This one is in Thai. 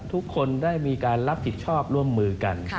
ทุกคนได้มีการรับผิดชอบร่วมมือกัน